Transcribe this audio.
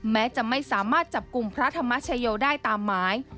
แม้จะไม่สามารถจับกลุ่มพระธรรมชโยได้ตามหมาย